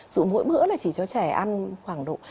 dù mỗi bữa là chỉ cho trẻ ăn khoảng độ